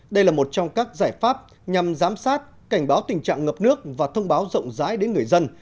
đây là một trong các giải pháp nhằm giám sát cảnh báo tình trạng ngập nước và thông báo rộng rãi đến người dân